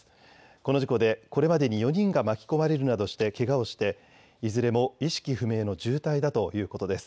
この事故でこれまでに４人が巻き込まれるなどしてけがをしていずれも意識不明の重体だということです。